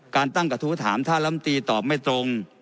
การตั้งกระทู้ถามถ้าลำตีตอบไม่ตรง